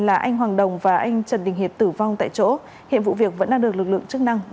là anh hoàng đồng và anh trần đình hiệp tử vong tại chỗ hiện vụ việc vẫn đang được lực lượng chức năng điều tra làm rõ